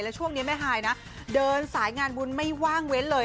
ช่วงนี้แม่ฮายนะเดินสายงานบุญไม่ว่างเว้นเลย